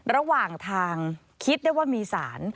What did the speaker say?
ระหว่างทางคิดได้ว่ามีสาร